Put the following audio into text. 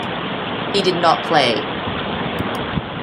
He did not play.